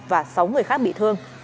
và sáu người khác bị thương